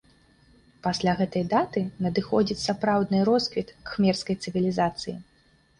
Пасля гэтай даты надыходзіць сапраўдны росквіт кхмерскай цывілізацыі.